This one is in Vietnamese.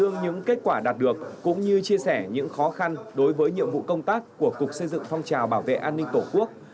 những kết quả đạt được cũng như chia sẻ những khó khăn đối với nhiệm vụ công tác của cục xây dựng phong trào bảo vệ an ninh tổ quốc